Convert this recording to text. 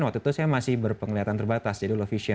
waktu itu saya masih berpenglihatan terbatas jadi low vision